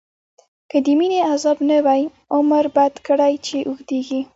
که دمينی عذاب نه وی، عمر بد کړی چی اوږديږی